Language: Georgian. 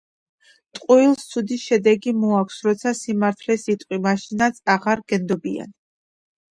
ტყუილს ცუდი შედეგი მოაქვს როცა სიმართლეს იტყვი, მაშინაც აღარ გენდობიან